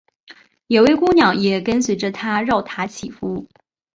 有位姑娘也跟随着他饶塔祈福。